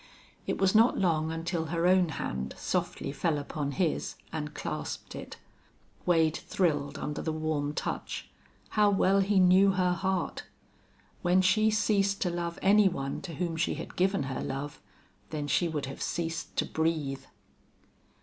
It was not long until her own hand softly fell upon his and clasped it. Wade thrilled under the warm touch. How well he knew her heart! When she ceased to love any one to whom she had given her love then she would have ceased to breathe.